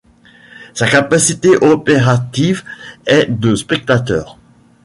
Sa capacité opérative est de spectateurs.